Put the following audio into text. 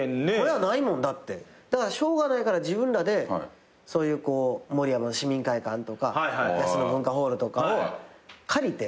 しょうがないから自分らで守山市民会館とか野洲の文化ホールとかを借りて。